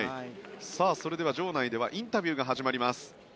それでは場内ではインタビューが始まります。